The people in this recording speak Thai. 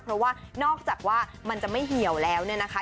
เพราะว่านอกจากว่ามันจะไม่เหี่ยวแล้วเนี่ยนะคะ